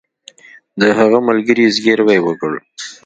د هغه ملګري زګیروی وکړ